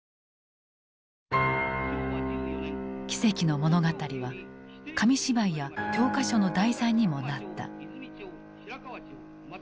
奇跡の物語は紙芝居や教科書の題材にもなった。